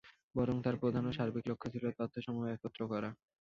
বরং তার প্রধান ও সার্বিক লক্ষ্য ছিল তথ্যসমূহ একত্র করা।